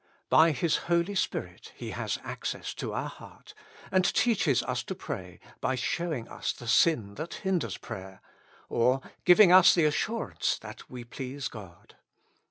By His Holy Spirit he has access to our heart, and teaches us to pray by showing us the sin that hinders the prayer, or giving us the assurance that we please God.